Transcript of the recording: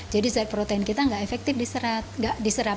jadi zat protein kita tidak efektif diserap